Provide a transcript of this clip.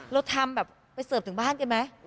เราทำแบบไปเสิร์ฟถึงบ้านกันไหม